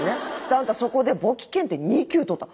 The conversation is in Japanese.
あんたそこで簿記検定２級取った。